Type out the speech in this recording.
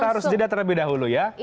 kita harus jeda terlebih dahulu ya